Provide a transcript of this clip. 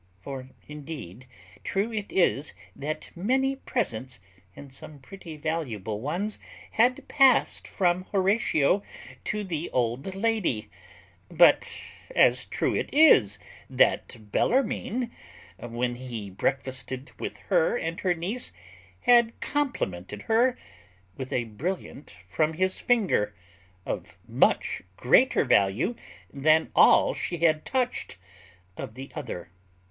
(For indeed true it is, that many presents, and some pretty valuable ones, had passed from Horatio to the old lady; but as true it is, that Bellarmine, when he breakfasted with her and her niece, had complimented her with a brilliant from his finger, of much greater value than all she had touched of the other.)